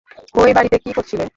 ঐ বাড়িতে কী করছিলে?